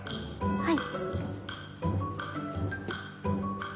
はい。